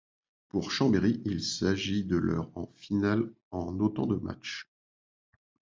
Pour Chambéry, il s'agit de leur en finale en autant de matchs.